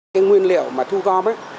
cái nguyên liệu mà thu gom ấy